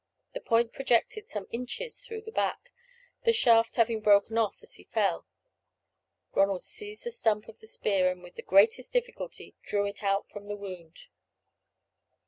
The point projected some inches through the back, the shaft having broken off as he fell. Ronald seized the stump of the spear, and with the greatest difficulty drew it out from the wound.